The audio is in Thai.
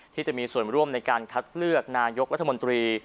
ที่มีส่วนร่วมในการคัดเลือกนายกรัฐมนตรี